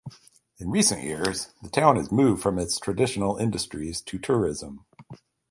In recent years the town has moved from its traditional industries to tourism.